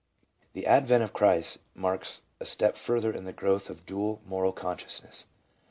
The advent of Christ marks a step further in the growth of the dual moral consciousness.